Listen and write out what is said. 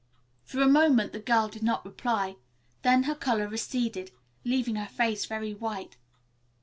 For a moment the girl did not reply, then her color receded, leaving her face very white.